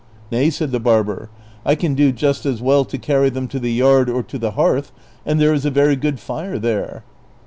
" Nay," said the barber, " I can do just as well to carry them to the yard or to the hearth, and there is a very good fire there."